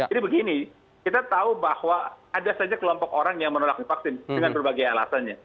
jadi begini kita tahu bahwa ada saja kelompok orang yang menolak vaksin dengan berbagai alasannya